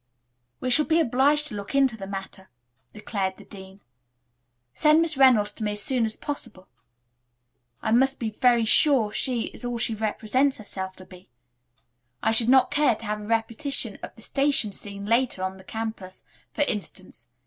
"We shall be obliged to look into the matter," declared the dean. "Send Miss Reynolds to me as soon as possible. I must be very sure that she is all she represents herself to be. I should not care to have a repetition of the station scene later, on the campus, for instance.